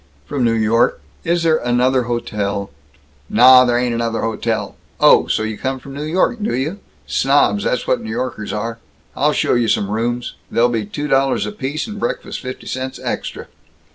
"From New York. Is there another hotel " "Nah, there ain't another hotel! Oh! So you come from New York, do you? Snobs, that's what N' Yorkers are. I'll show you some rooms. They'll be two dollars apiece, and breakfast fifty cents extra."